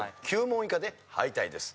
９問以下で敗退です。